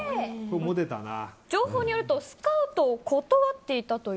情報によるとスカウトを断っていたと。